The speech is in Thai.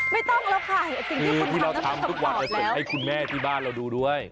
ไม่ต้องแล้วค่ะคือที่เราทำทุกวันเราส่งให้คุณแม่ที่บ้านเราดูด้วย